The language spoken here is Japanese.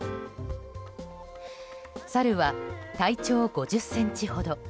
サルは体長５０ｃｍほど。